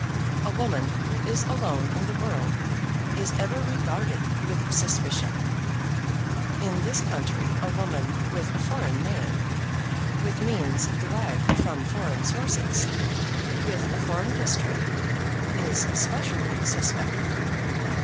A woman who is alone in the world is ever regarded with suspicion. In this country a woman with a foreign name, with means derived from foreign sources, with a foreign history, is specially suspected.